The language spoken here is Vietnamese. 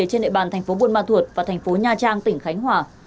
trên đệ bàn tp bộ ma thuật và tp nha trang tỉnh khánh hòa